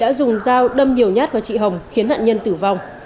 đã dùng dao đâm nhiều nhát vào chị hồng khiến nạn nhân tử vong